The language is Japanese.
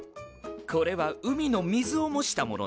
これは海の水を模したものです。